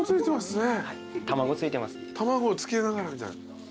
卵つけながらみたいな？